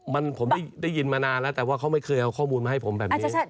มันผมได้ยินมานานแล้วแต่ว่าเขาไม่เคยเอาข้อมูลมาให้ผมแบบนี้